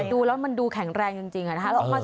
ดูแล้วมันดูแข็งแรงจริงจริงอ่ะนะคะแล้วออกมาสวยงามอ่ะ